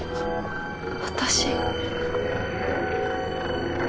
私？